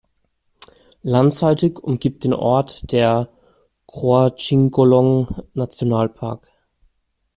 Landseitig umgibt den Ort der Croajingolong-Nationalpark.